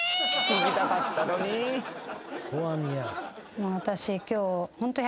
もう私。